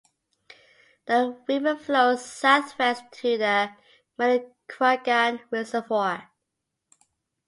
The river flows southwest to the Manicouagan Reservoir.